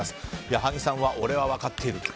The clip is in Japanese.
矢作さんは俺は分かっていると。